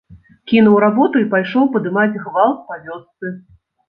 Кінуў работу і пайшоў падымаць гвалт па вёсцы.